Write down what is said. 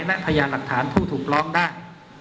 และพยานหลักฐานผู้ถูกร้องได้